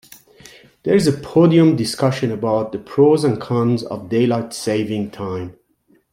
There's a podium discussion about the pros and cons of daylight saving time.